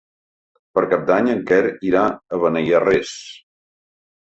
Per Cap d'Any en Quer irà a Beniarrés.